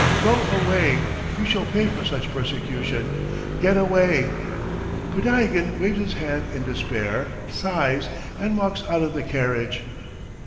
"Go away! You shall pay for such persecution. Get away!" Podtyagin waves his hand in despair, sighs, and walks out of the carriage.